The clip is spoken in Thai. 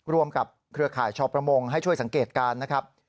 รวมกับเครือข่ายชาวประมงให้ช่วยสังเกตการณ์นะครับ